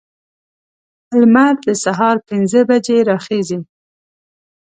لمر د سهار پنځه بجې راخیزي.